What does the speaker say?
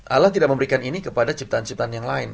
allah tidak memberikan ini kepada ciptaan ciptaan yang lain